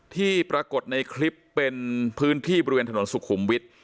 ที่ปรากฏในคลิปเป็นพื้นที่บริเวณถนนสุขุมวิทย์